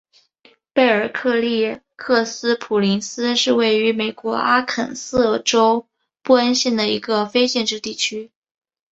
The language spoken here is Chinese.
贝尔克里克斯普林斯是位于美国阿肯色州布恩县的一个非建制地区。